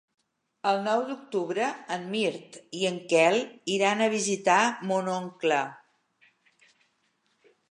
El nou d'octubre en Mirt i en Quel iran a visitar mon oncle.